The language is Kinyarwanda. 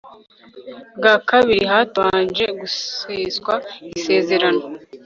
bwa kabiri hatabanje guseswa isezerano